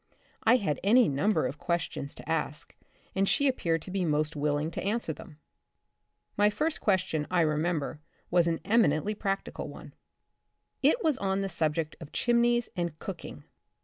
I had any number of questions to ask, and she appeared to be most willing to answer them. My first question, I remember, was an emi nently practical one. It was on the subject of chimneys and cooking.